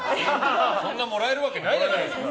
そんなもらえるわけないじゃないですか。